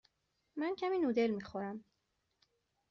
من کمی نودل می خورم.